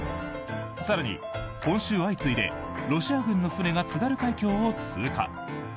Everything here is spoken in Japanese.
更に今週、相次いでロシア軍の船が津軽海峡を通過。